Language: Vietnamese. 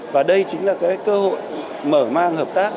và đây chính là cái cơ hội mở mang hợp tác